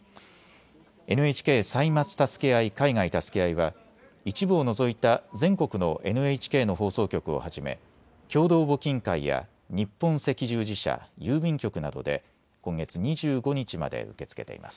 ＮＨＫ歳末たすけあい・海外たすけあいは一部を除いた全国のＮＨＫの放送局をはじめ共同募金会や日本赤十字社、郵便局などで今月２５日まで受け付けています。